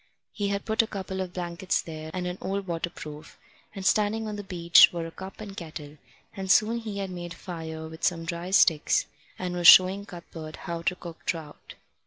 He had put a couple of blankets there and an old waterproof, and standing on the beach were a cup and kettle; and soon he had made a fire with some dry sticks, and was showing Cuthbert how to cook trout.